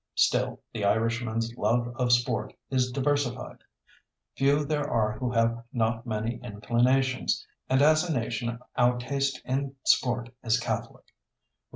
Still, the Irishman's love of sport is diversified. Few there are who have not many inclinations, and as a nation our taste in sport is catholic.